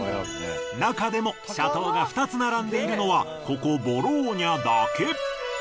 なかでも斜塔が２つ並んでいるのはここボローニャだけ。